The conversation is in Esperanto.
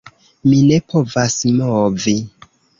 Mi ne povas movi.